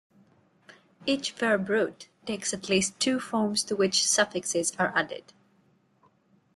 Each verb root takes at least two forms to which suffixes are added.